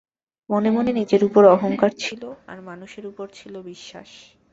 মনে মনে নিজের উপর অহংকার ছিল, আর মানুষের উপর ছিল বিশ্বাস।